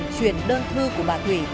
truyền đơn thư của bà thủy